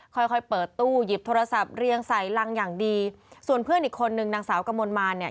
ค่อยค่อยเปิดตู้หยิบโทรศัพท์เรียงใส่รังอย่างดีส่วนเพื่อนอีกคนนึงนางสาวกมลมารเนี่ย